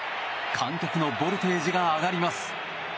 観客のボルテージが上がります。